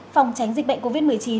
phòng tránh dịch bệnh covid một mươi chín